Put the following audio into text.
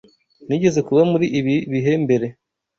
Nigeze kuba muri ibi bihe mbere.